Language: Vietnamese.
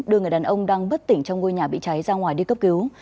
đưa người đàn ông đang bất tỉnh trong ngôi nhà bị cháy ra ngoài đi cấp cứu